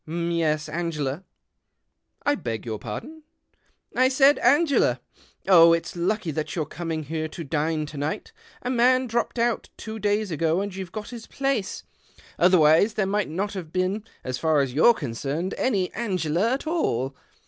M'yes, Angela. '" I beg your pardon ?"" I said Angela. Oh, it's lucky that you're C(jming here to dine to night ! A man dropped out two days ago, and you've got his place. Otherwise there might not have been, as far as you're concerned, any Angela at all.